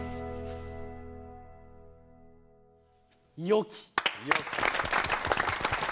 よき。